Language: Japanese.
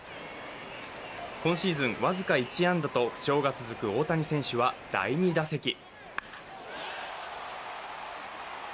今シーズン、僅か１安打と不調が続く大谷選手は第２打席。